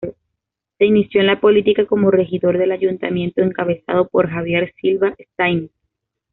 Se inició en la política como regidor del ayuntamiento encabezado por Javier Silva Staines.